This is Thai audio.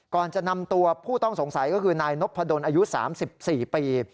ก่อนจะนำตัวผู้ต้องสงสัยก็คือนายนพดลอายุ๓๔ปี